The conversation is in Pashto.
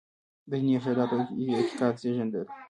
دیني ارشاداتو او اعتقاد زېږنده دي.